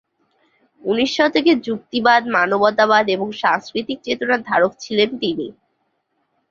ঊনিশ শতকের যুক্তিবাদ, মানবতাবাদ এবং সাংস্কৃতিক চেতনার ধারক ছিলেন তিনি।